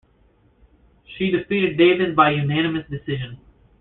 She defeated Davis by unanimous decision.